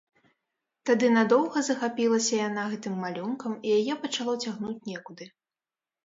Тады надоўга захапілася яна гэтым малюнкам, і яе пачало цягнуць некуды.